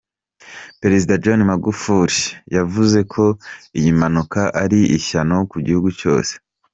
Perezida John magufuli yavuze ko iyi mpanuka ari "ishyano ku gihugu cyose".